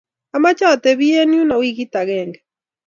ameche atebi eng' yuno wikit agenge